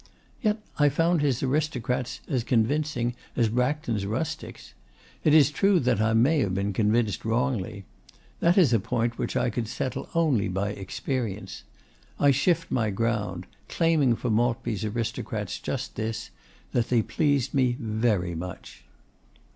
Yet I found his aristocrats as convincing as Braxton's rustics. It is true that I may have been convinced wrongly. That is a point which I could settle only by experience. I shift my ground, claiming for Maltby's aristocrats just this: that they pleased me very much.